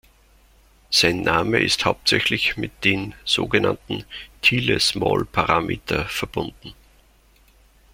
Sein Name ist hauptsächlich mit den so genannten Thiele-Small-Parameter verbunden.